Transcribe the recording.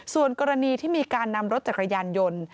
ส่วนกรณีที่มีการนำรถจักรยานยนต์